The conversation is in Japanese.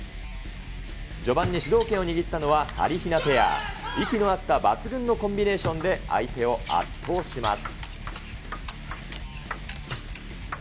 序盤に主導権を握ったのは、はりひなペア、息の合った抜群のコンビネーションで、相手を圧倒します。